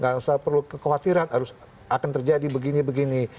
nggak usah perlu kekhawatiran harus akan terjadi begini begini